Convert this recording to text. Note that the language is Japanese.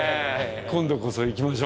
今度こそ行きましょ。